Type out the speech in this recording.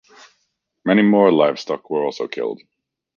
Many more livestock were also killed.